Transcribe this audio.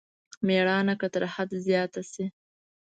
مېړانه که تر حد زيات شي.